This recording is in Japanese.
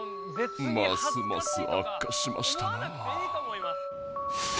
ますますあっかしましたなあ。